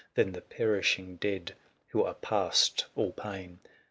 Than the perishing dead who are past all pain.